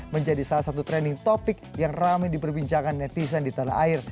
menjadi salah satu trending topic yang rame diperbincangkan netizen di tanah air